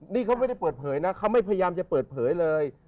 นี่เขาไม่ได้เปิดเผยนะเขาไม่พยายามจะเปิดเผยเลย